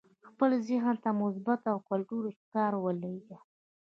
خپل ذهن ته مثبت او ګټور افکار ولېږئ